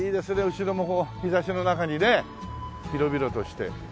後ろも日差しの中にね広々として。